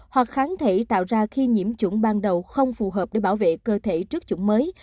hoặc kháng thể tạo ra khi nhiễm chủng ban đầu không phù hợp để bảo vệ cơ thể trước chủng mới